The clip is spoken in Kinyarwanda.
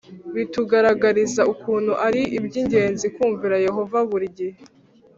Bitugaragariza ukuntu ari iby ingenzi kumvira Yehova buri gihe